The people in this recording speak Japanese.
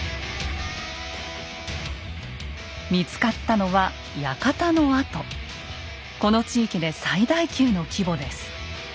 見つかったのはこの地域で最大級の規模です。